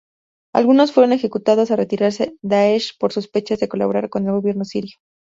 Algunos fueron ejecutados al retirarse Daesh por sospechas de colaborar con el gobierno sirio.